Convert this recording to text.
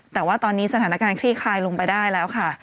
แต่ว่าตอนนี้สถานการณ์คลี่คลายลงไปได้แล้วค่ะ